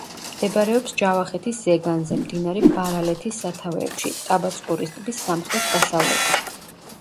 მდებარეობს ჯავახეთის ზეგანზე, მდინარე ბარალეთის სათავეებში, ტაბაწყურის ტბის სამხრეთ-დასავლეთით.